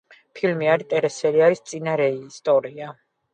ფილმი არის ტელესერიალის წინარეისტორია.